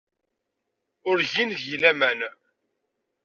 Ur gin deg-i laman.